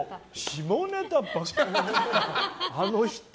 下ネタばっかり、あの人。